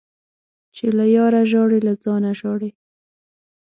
چي له ياره ژاړې ، له ځانه ژاړې.